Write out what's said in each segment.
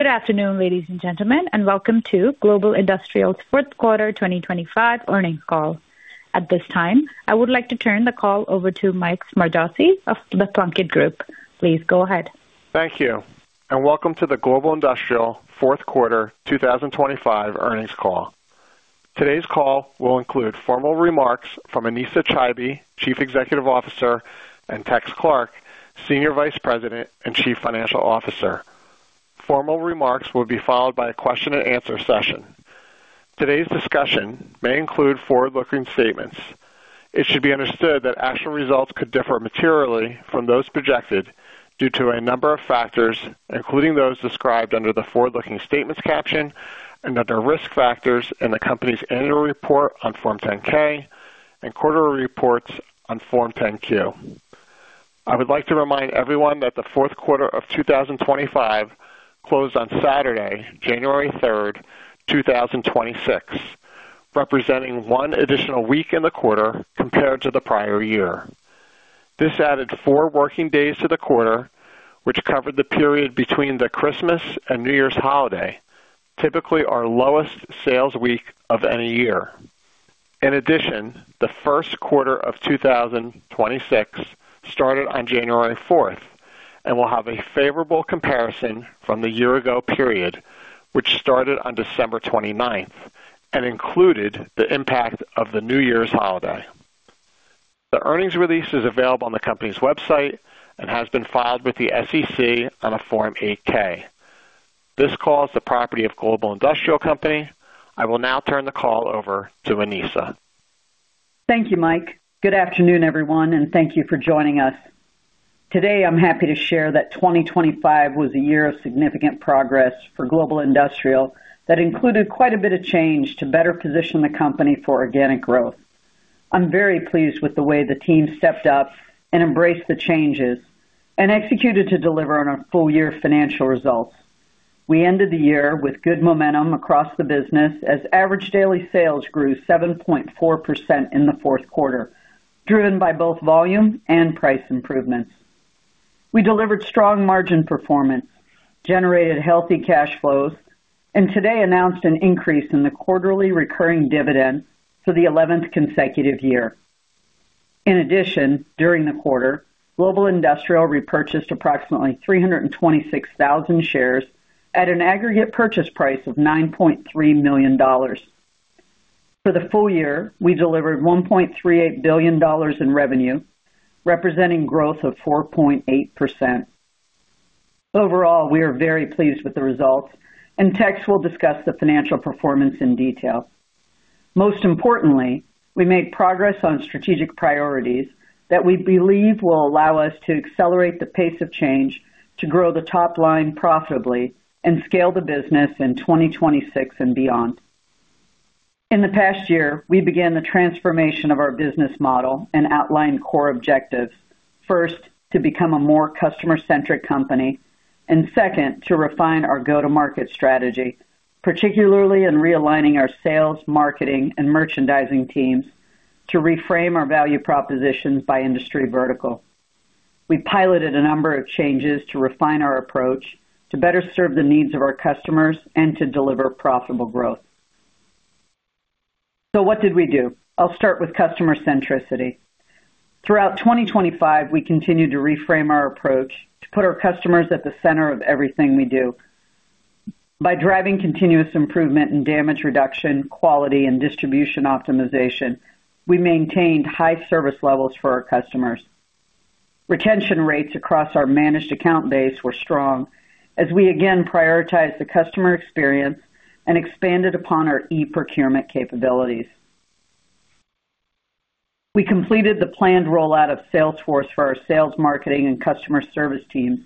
Good afternoon, ladies and gentlemen, and welcome to Global Industrial's Q4 2025 Earnings Call. At this time, I would like to turn the call over to Mike Smargiassi of The Plunkett Group. Please go ahead. Thank you. Welcome to the Global Industrial Q4 2025 earnings call. Today's call will include formal remarks from Anesa Chaibi, Chief Executive Officer, and Tex Clark, Senior Vice President and Chief Financial Officer. Formal remarks will be followed by a question and answer session. Today's discussion may include forward-looking statements. It should be understood that actual results could differ materially from those projected due to a number of factors, including those described under the forward-looking statements caption and under risk factors in the company's annual report on Form 10-K and quarterly reports on Form 10-Q. I would like to remind everyone that the Q4 of 2025 closed on Saturday, January 3, 2026, representing 1 additional week in the quarter compared to the prior year. This added four working days to the quarter, which covered the period between the Christmas and New Year's holiday, typically our lowest sales week of any year. In addition, the Q1 of 2026 started on January 4th and will have a favorable comparison from the year ago period, which started on December 29th and included the impact of the New Year's holiday. The earnings release is available on the company's website and has been filed with the SEC on a Form 8-K. This call is the property of Global Industrial Company. I will now turn the call over to Anesa. Thank you, Mike. Good afternoon, everyone, and thank you for joining us. Today, I'm happy to share that 2025 was a year of significant progress for Global Industrial that included quite a bit of change to better position the company for organic growth. I'm very pleased with the way the team stepped up and embraced the changes and executed to deliver on our full year financial results. We ended the year with good momentum across the business as average daily sales grew 7.4% in the Q4, driven by both volume and price improvements. We delivered strong margin performance, generated healthy cash flows, and today announced an increase in the quarterly recurring dividend for the eleventh consecutive year. In addition, during the quarter, Global Industrial repurchased approximately 326,000 shares at an aggregate purchase price of $9.3 million. For the full year, we delivered $1.38 billion in revenue, representing growth of 4.8%. Overall, we are very pleased with the results, Tex will discuss the financial performance in detail. Most importantly, we made progress on strategic priorities that we believe will allow us to accelerate the pace of change, to grow the top line profitably and scale the business in 2026 and beyond. In the past year, we began the transformation of our business model and outlined core objectives, first, to become a more customer-centric company, and second, to refine our go-to-market strategy, particularly in realigning our sales, marketing, and merchandising teams to reframe our value propositions by industry vertical. We piloted a number of changes to refine our approach, to better serve the needs of our customers and to deliver profitable growth. What did we do? I'll start with customer centricity. Throughout 2025, we continued to reframe our approach to put our customers at the center of everything we do. By driving continuous improvement in damage reduction, quality, and distribution optimization, we maintained high service levels for our customers. Retention rates across our managed account base were strong as we again prioritized the customer experience and expanded upon our e-procurement capabilities. We completed the planned rollout of Salesforce for our sales, marketing, and customer service teams.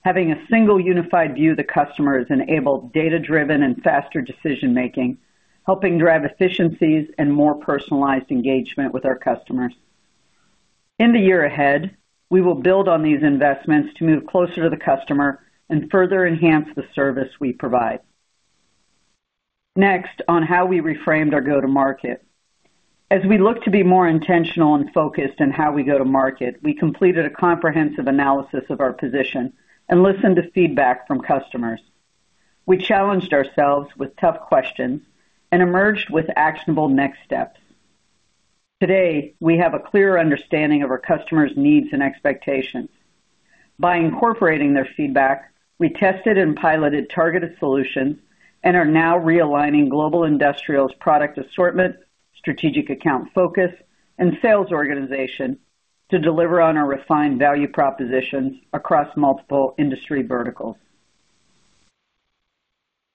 Having a single unified view of the customer has enabled data-driven and faster decision-making, helping drive efficiencies and more personalized engagement with our customers. In the year ahead, we will build on these investments to move closer to the customer and further enhance the service we provide. Next, on how we reframed our go-to-market. As we look to be more intentional and focused on how we go to market, we completed a comprehensive analysis of our position and listened to feedback from customers. We challenged ourselves with tough questions and emerged with actionable next steps. Today, we have a clearer understanding of our customers' needs and expectations. By incorporating their feedback, we tested and piloted targeted solutions and are now realigning Global Industrial's product assortment, strategic account focus, and sales organization to deliver on our refined value propositions across multiple industry verticals.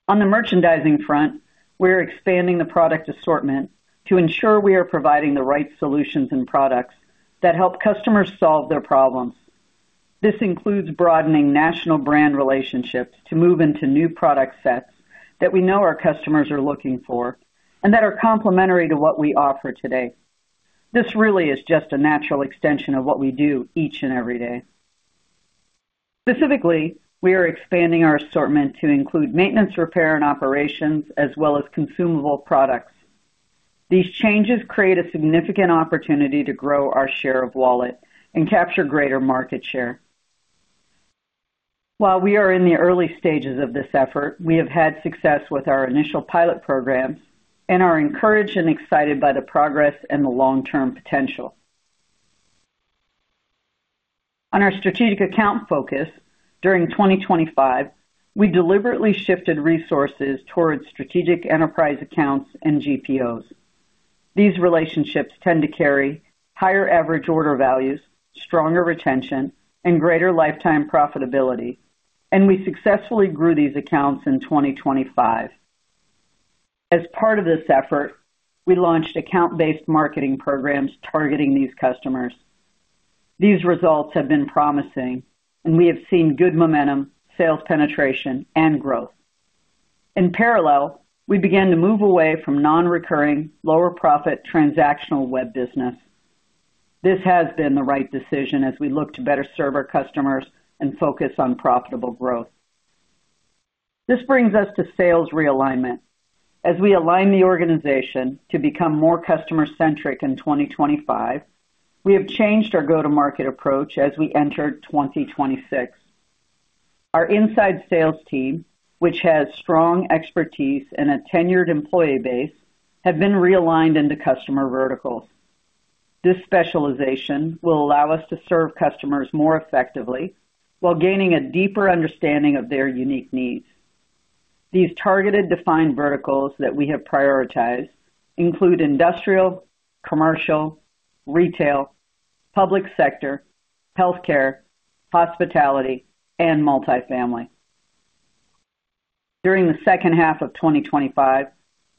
On the merchandising front, we are expanding the product assortment to ensure we are providing the right solutions and products that help customers solve their problems. This includes broadening national brand relationships to move into new product sets that we know our customers are looking for and that are complementary to what we offer today. This really is just a natural extension of what we do each and every day. Specifically, we are expanding our assortment to include maintenance, repair, and operations, as well as consumable products. These changes create a significant opportunity to grow our share of wallet and capture greater market share. While we are in the early stages of this effort, we have had success with our initial pilot programs and are encouraged and excited by the progress and the long-term potential. On our strategic account focus, during 2025, we deliberately shifted resources towards strategic enterprise accounts and GPOs. These relationships tend to carry higher average order values, stronger retention, and greater lifetime profitability, and we successfully grew these accounts in 2025. As part of this effort, we launched account-based marketing programs targeting these customers. These results have been promising, and we have seen good momentum, sales penetration, and growth. In parallel, we began to move away from non-recurring, lower profit, transactional web business. This has been the right decision as we look to better serve our customers and focus on profitable growth. This brings us to sales realignment. As we align the organization to become more customer-centric in 2025, we have changed our go-to-market approach as we entered 2026. Our inside sales team, which has strong expertise and a tenured employee base, have been realigned into customer verticals. This specialization will allow us to serve customers more effectively while gaining a deeper understanding of their unique needs. These targeted, defined verticals that we have prioritized include industrial, commercial, retail, public sector, healthcare, hospitality, and multifamily. During the second half of 2025,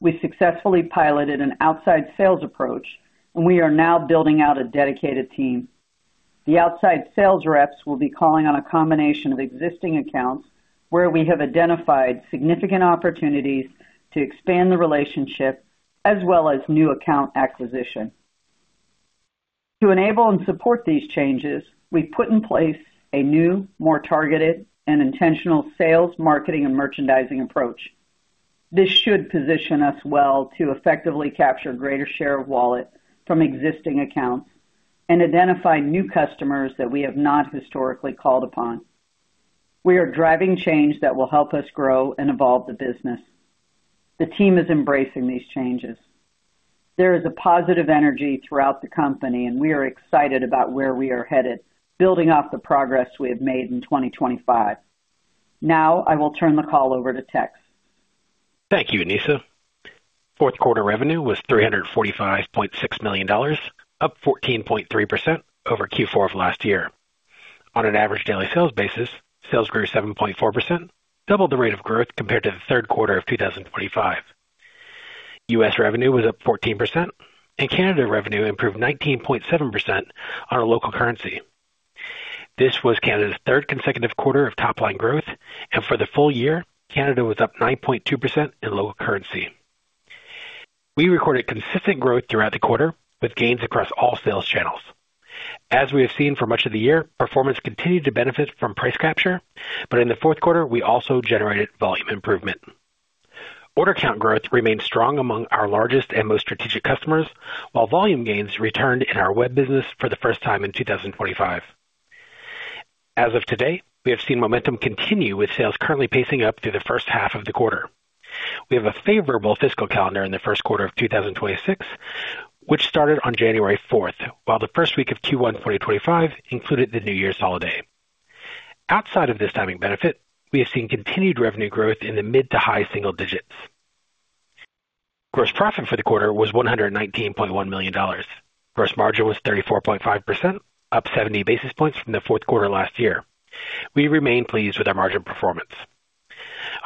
we successfully piloted an outside sales approach, and we are now building out a dedicated team. The outside sales reps will be calling on a combination of existing accounts, where we have identified significant opportunities to expand the relationship as well as new account acquisition. To enable and support these changes, we put in place a new, more targeted and intentional sales, marketing, and merchandising approach. This should position us well to effectively capture greater share of wallet from existing accounts and identify new customers that we have not historically called upon. We are driving change that will help us grow and evolve the business. The team is embracing these changes. There is a positive energy throughout the company, and we are excited about where we are headed, building off the progress we have made in 2025. I will turn the call over to Tex. Thank you, Anesa. Q4 revenue was $345.6 million, up 14.3% over Q4 of last year. On an average daily sales basis, sales grew 7.4%, double the rate of growth compared to the Q3 of 2025. U.S. revenue was up 14%, and Canada revenue improved 19.7% on a local currency. This was Canada's third consecutive quarter of top-line growth, and for the full year, Canada was up 9.2% in local currency. We recorded consistent growth throughout the quarter, with gains across all sales channels. As we have seen for much of the year, performance continued to benefit from price capture, but in the Q4, we also generated volume improvement. Order count growth remained strong among our largest and most strategic customers, while volume gains returned in our web business for the first time in 2025. As of today, we have seen momentum continue, with sales currently pacing up through the first half of the quarter. We have a favorable fiscal calendar in the Q1 of 2026, which started on January fourth, while the first week of Q1 2025 included the New Year's holiday. Outside of this timing benefit, we have seen continued revenue growth in the mid to high single digits. Gross profit for the quarter was $119.1 million. Gross margin was 34.5%, up 70 basis points from the Q4 last year. We remain pleased with our margin performance.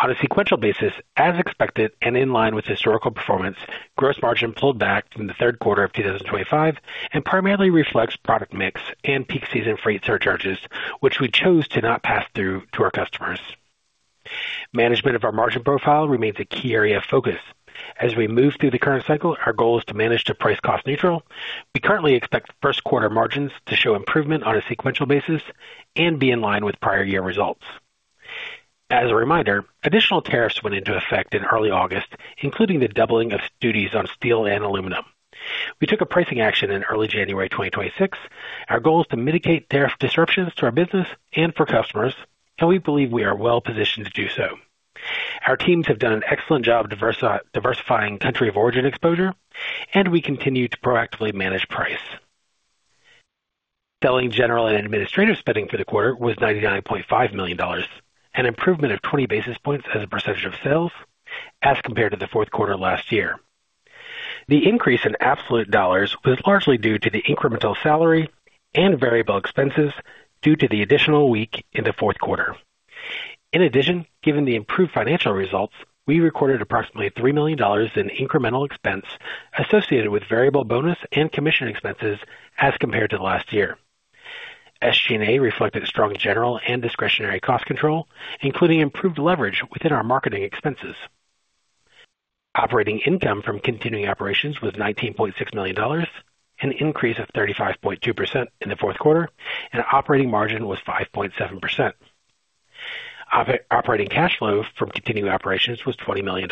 On a sequential basis, as expected and in line with historical performance, gross margin pulled back from the Q3 of 2025 and primarily reflects product mix and peak season freight surcharges, which we chose to not pass through to our customers. Management of our margin profile remains a key area of focus. As we move through the current cycle, our goal is to manage to price cost neutral. We currently expect Q1 margins to show improvement on a sequential basis and be in line with prior year results. As a reminder, additional tariffs went into effect in early August, including the doubling of duties on steel and aluminum. We took a pricing action in early January 2026. Our goal is to mitigate tariff disruptions to our business and for customers, and we believe we are well positioned to do so. Our teams have done an excellent job diversifying country of origin exposure, and we continue to proactively manage price. Selling, general and administrative spending for the quarter was $99.5 million, an improvement of 20 basis points as a percentage of sales as compared to the Q4 last year. The increase in absolute dollars was largely due to the incremental salary and variable expenses due to the additional week in the Q4. Given the improved financial results, we recorded approximately $3 million in incremental expense associated with variable bonus and commission expenses as compared to last year. SG&A reflected strong general and discretionary cost control, including improved leverage within our marketing expenses. Operating income from continuing operations was $19.6 million, an increase of 35.2% in the Q4, and operating margin was 5.7%. Operating cash flow from continuing operations was $20 million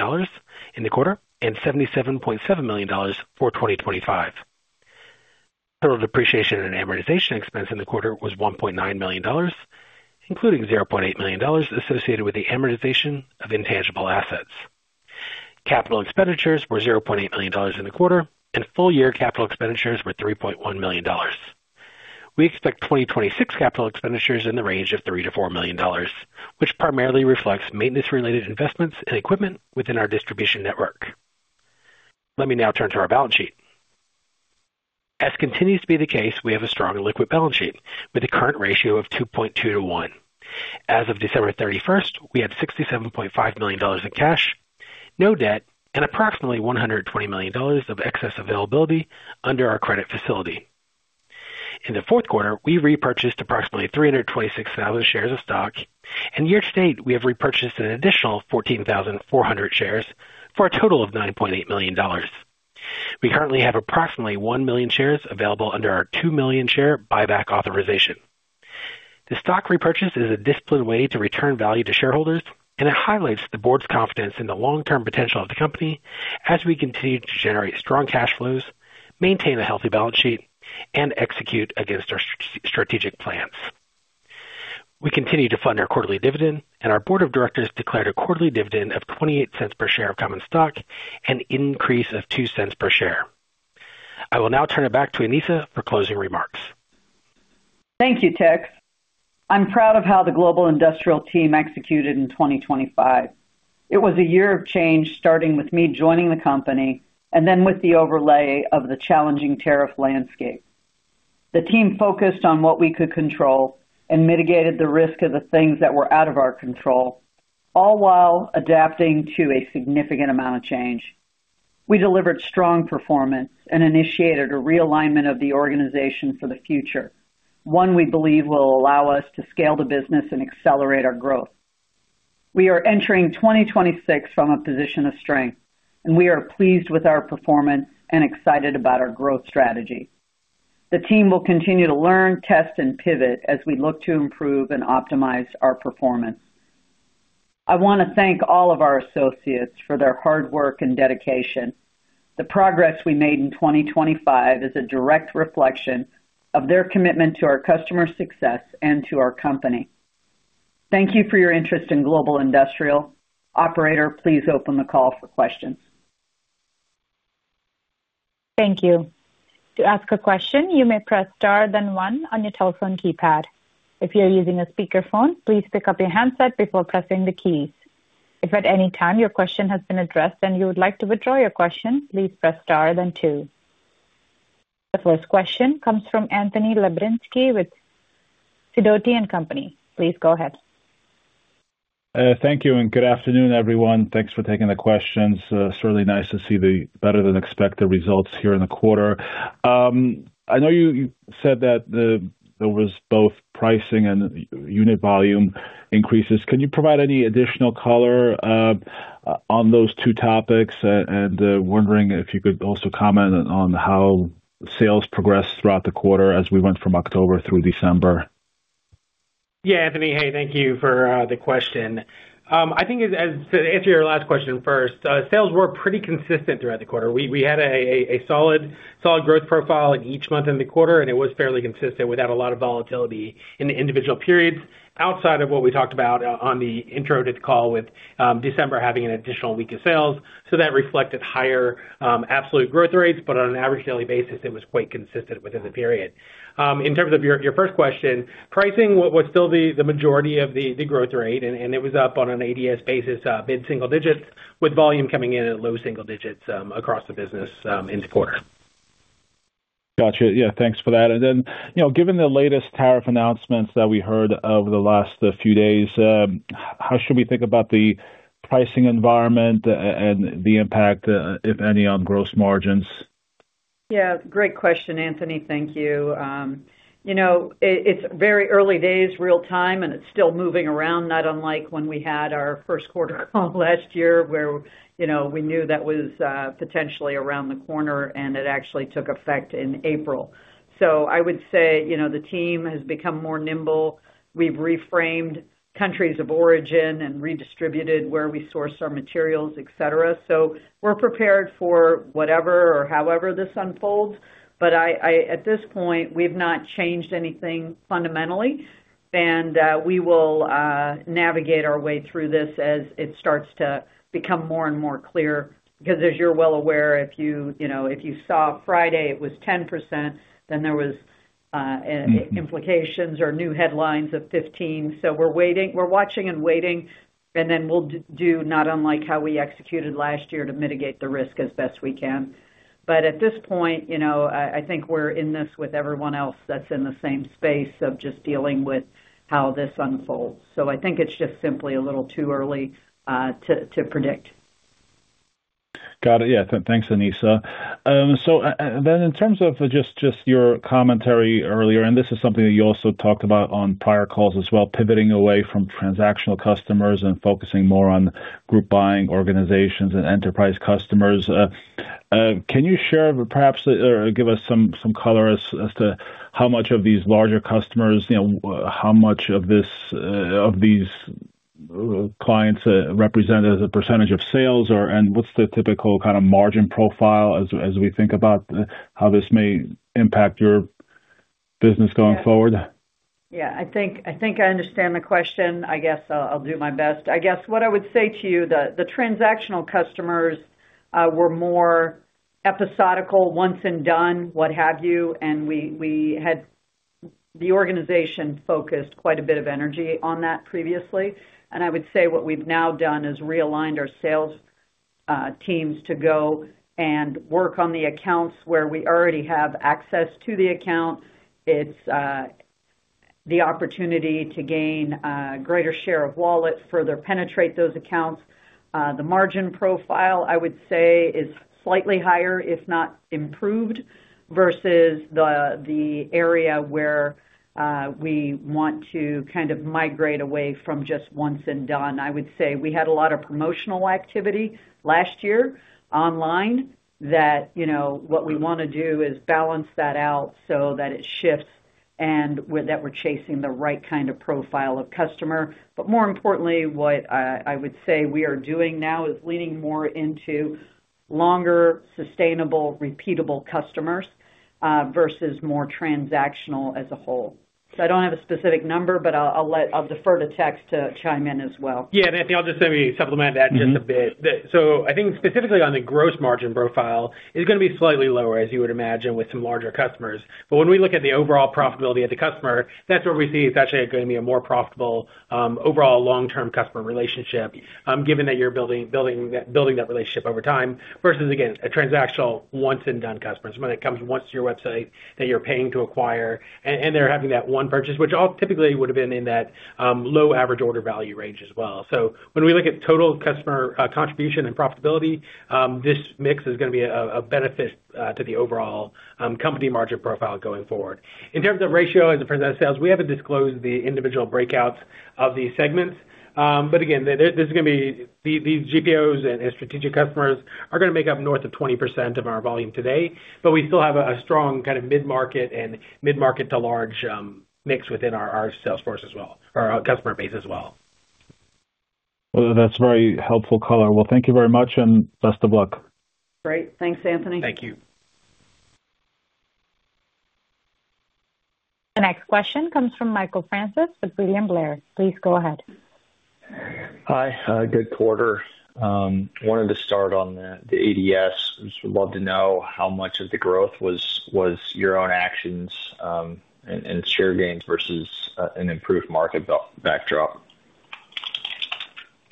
in the quarter, and $77.7 million for 2025. Total depreciation and amortization expense in the quarter was $1.9 million, including $0.8 million associated with the amortization of intangible assets. Capital expenditures were $0.8 million in the quarter, and full year capital expenditures were $3.1 million. We expect 2026 capital expenditures in the range of $3 million-$4 million, which primarily reflects maintenance-related investments and equipment within our distribution network. Let me now turn to our balance sheet. As continues to be the case, we have a strong and liquid balance sheet with a current ratio of 2.2 to 1. As of December 31st, we had $67.5 million in cash, no debt, and approximately $120 million of excess availability under our credit facility. In the Q4, we repurchased approximately 326,000 shares of stock. Year-to-date, we have repurchased an additional 14,400 shares for a total of $9.8 million. We currently have approximately 1 million shares available under our 2 million share buyback authorization. The stock repurchase is a disciplined way to return value to shareholders. It highlights the board's confidence in the long-term potential of the company as we continue to generate strong cash flows, maintain a healthy balance sheet, and execute against our strategic plans. We continue to fund our quarterly dividend, and our board of directors declared a quarterly dividend of $0.28 per share of common stock, an increase of $0.02 per share. I will now turn it back to Anesa for closing remarks. Thank you, Tex. I'm proud of how the Global Industrial team executed in 2025. It was a year of change, starting with me joining the company and then with the overlay of the challenging tariff landscape. The team focused on what we could control and mitigated the risk of the things that were out of our control, all while adapting to a significant amount of change. We delivered strong performance and initiated a realignment of the organization for the future, one we believe will allow us to scale the business and accelerate our growth. We are entering 2026 from a position of strength, and we are pleased with our performance and excited about our growth strategy. The team will continue to learn, test, and pivot as we look to improve and optimize our performance. I want to thank all of our associates for their hard work and dedication. The progress we made in 2025 is a direct reflection of their commitment to our customer success and to our company. Thank you for your interest in Global Industrial. Operator, please open the call for questions. Thank you. To ask a question, you may press Star then one on your telephone keypad. If you're using a speakerphone, please pick up your handset before pressing the keys. If at any time your question has been addressed and you would like to withdraw your question, please press Star then two. The first question comes from Anthony Lebiedzinski with Sidoti & Company. Please go ahead. Thank you, and good afternoon, everyone. Thanks for taking the questions. Certainly nice to see the better-than-expected results here in the quarter. I know you said that there was both pricing and unit volume increases. Can you provide any additional color on those two topics? Wondering if you could also comment on how sales progressed throughout the quarter as we went from October through December. Anthony, hey, thank you for the question. I think as to answer your last question first, sales were pretty consistent throughout the quarter. We had a solid growth profile in each month in the quarter, and it was fairly consistent without a lot of volatility in the individual periods outside of what we talked about on the intro to the call with December having an additional week of sales. That reflected higher absolute growth rates, but on an average daily basis, it was quite consistent within the period. In terms of your first question, pricing was still the majority of the growth rate, and it was up on an ADS basis, mid-single digits, with volume coming in at low single digits across the business in the quarter. Gotcha. Yeah, thanks for that. Then, you know, given the latest tariff announcements that we heard over the last few days, how should we think about the pricing environment and the impact, if any, on gross margins? Yeah, great question, Anthony. Thank you. You know, it's very early days, real time, and it's still moving around, not unlike when we had our Q1 call last year, where, you know, we knew that was potentially around the corner, and it actually took effect in April. I would say, you know, the team has become more nimble. We've reframed countries of origin and redistributed where we source our materials, et cetera. We're prepared for whatever or however this unfolds, but at this point, we've not changed anything fundamentally. We will navigate our way through this as it starts to become more and more clear. As you're well aware, if you know, if you saw Friday, it was 10%, then there was. implications or new headlines of 15. We're waiting. We're watching and waiting, and then we'll do, not unlike how we executed last year, to mitigate the risk as best we can. At this point, you know, I think we're in this with everyone else that's in the same space of just dealing with how this unfolds. I think it's just simply a little too early to predict. Got it. Yeah, thanks, Anesa. Then in terms of your commentary earlier, this is something that you also talked about on prior calls as well, pivoting away from transactional customers and focusing more on group buying organizations and enterprise customers. Can you share perhaps or give us some color as to how much of these larger customers, you know, how much of this clients represent as a % of sales or, what's the typical kind of margin profile as we think about how this may impact your business going forward? Yeah, I think I understand the question. I guess I'll do my best. I guess what I would say to you, the transactional customers were more episodical, once and done, what have you, and the organization focused quite a bit of energy on that previously. I would say what we've now done is realigned our sales teams to go and work on the accounts where we already have access to the account. It's the opportunity to gain a greater share of wallet, further penetrate those accounts. The margin profile, I would say, is slightly higher, if not improved, versus the area where we want to kind of migrate away from just once and done. I would say we had a lot of promotional activity last year online that, you know, what we wanna do is balance that out so that it shifts and that we're chasing the right kind of profile of customer. More importantly, what I would say we are doing now is leaning more into longer, sustainable, repeatable customers versus more transactional as a whole. I don't have a specific number, but I'll defer to Tex to chime in as well. Yeah, Anesa, I'll just maybe supplement that just a bit. I think specifically on the gross margin profile, it's gonna be slightly lower, as you would imagine, with some larger customers. When we look at the overall profitability of the customer, that's where we see it's actually going to be a more profitable, overall long-term customer relationship, given that you're building that relationship over time, versus, again, a transactional once-and-done customers, when it comes once to your website that you're paying to acquire, and they're having that one purchase, which all typically would have been in that low average order value range as well. When we look at total customer contribution and profitability, this mix is gonna be a benefit to the overall company margin profile going forward. In terms of ratio, as a percentage of sales, we haven't disclosed the individual breakouts of these segments. Again, this is gonna be. These GPOs and strategic customers are gonna make up north of 20% of our volume today, but we still have a strong kind of mid-market and mid-market to large mix within our sales force as well, or our customer base as well. Well, that's very helpful color. Well, thank you very much, and best of luck. Great. Thanks, Anthony. Thank you. The next question comes from Michael Francis with William Blair. Please go ahead. Hi. Good quarter. Wanted to start on the ADS. Just would love to know how much of the growth was your own actions, and share gains versus an improved market backdrop?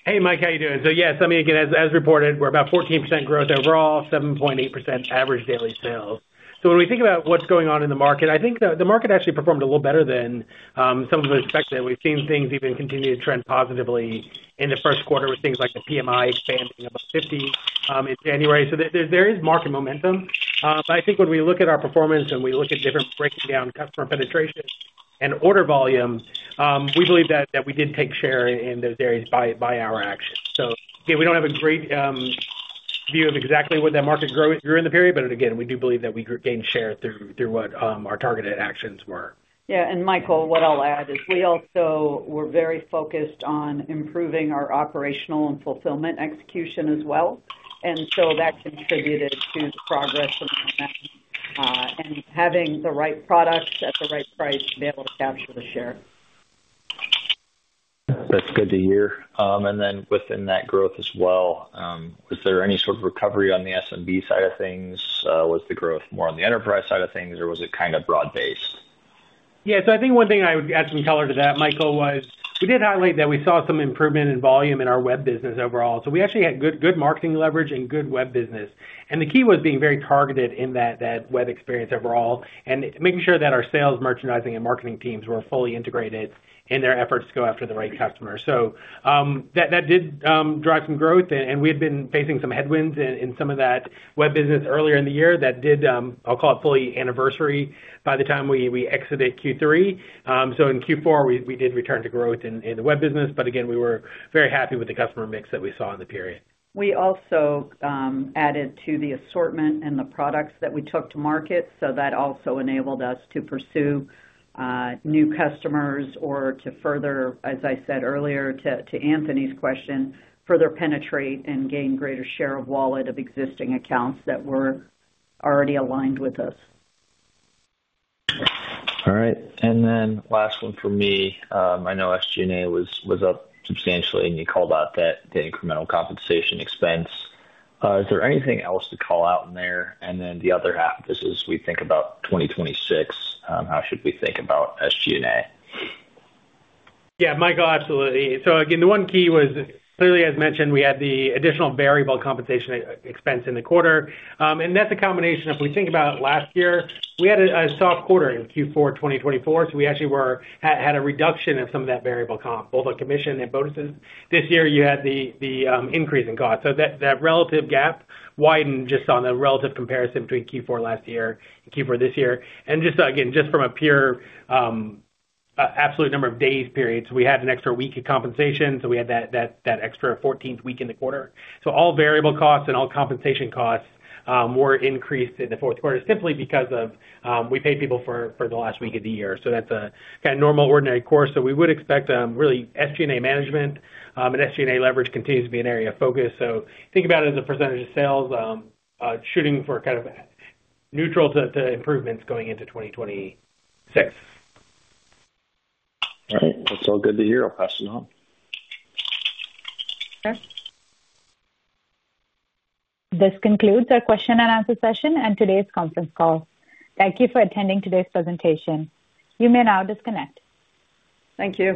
Hey, Mike, how you doing? Yes, I mean, again, as reported, we're about 14% growth overall, 7.8% average daily sales. When we think about what's going on in the market, I think the market actually performed a little better than some of us expected. We've seen things even continue to trend positively in the Q1, with things like the PMI expanding above 50 in January. There is market momentum. I think when we look at our performance and we look at different breaking down customer penetration and order volume, we believe that we did take share in those areas by our actions. Again, we don't have a great view of exactly what that market grew in the period, but again, we do believe that we gained share through what, our targeted actions were. Michael, what I'll add is we also were very focused on improving our operational and fulfillment execution as well, and so that contributed to the progress and having the right products at the right price to be able to capture the share. That's good to hear. Then within that growth as well, was there any sort of recovery on the SMB side of things? Was the growth more on the enterprise side of things, or was it kind of broad-based? Yeah, I think one thing I would add some color to that, Michael, was we did highlight that we saw some improvement in volume in our web business overall. We actually had good marketing leverage and good web business. The key was being very targeted in that web experience overall and making sure that our sales, merchandising, and marketing teams were fully integrated in their efforts to go after the right customer. That did drive some growth, and we had been facing some headwinds in some of that web business earlier in the year that did, I'll call it fully anniversary by the time we exited Q3. In Q4, we did return to growth in the web business, but again, we were very happy with the customer mix that we saw in the period. We also added to the assortment and the products that we took to market, so that also enabled us to pursue new customers or to further, as I said earlier, to Anthony's question, further penetrate and gain greater share of wallet of existing accounts that were already aligned with us. All right. Last one for me. I know SG&A was up substantially, and you called out that, the incremental compensation expense. Is there anything else to call out in there? The other half, this is as we think about 2026, how should we think about SG&A? Yeah, Michael, absolutely. Again, the one key was, clearly, as mentioned, we had the additional variable compensation e-expense in the quarter. That's a combination. If we think about last year, we had a soft quarter in Q4 2024, we actually had a reduction in some of that variable cost, both on commission and bonuses. This year you had the increase in cost. That relative gap widened just on the relative comparison between Q4 last year and Q4 this year. Just, again, just from a pure absolute number of days periods, we had an extra week of compensation, we had that extra fourteenth week in the quarter. All variable costs and all compensation costs were increased in the Q4, simply because of we paid people for the last week of the year. That's a kind of normal, ordinary course. We would expect really, SG&A management and SG&A leverage continues to be an area of focus. Think about it as a % of sales, shooting for kind of neutral to improvements going into 2026. All right. That's all good to hear. I'll pass it on. Sure. This concludes our question and answer session and today's conference call. Thank you for attending today's presentation. You may now disconnect. Thank you.